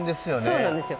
そうなんですよ。